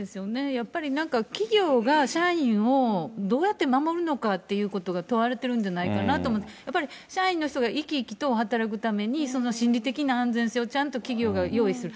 やっぱりなんか企業が社員をどうやって守るのかっていうことが問われてるんじゃないかなと、やっぱり社員の人が生き生きと働くために、その心理的な安全性をちゃんと企業が用意する。